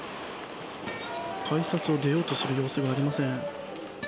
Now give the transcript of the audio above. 改札を出ようとする様子がありません。